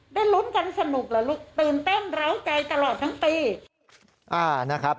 ได้ลุ้นกันสนุกหรือลูกตื่นเต้นเร้าใจตลอดทั้งปี